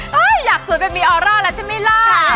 เฮ้ยอยากสวยแบบมี่ออร่าหละใช่มีร่า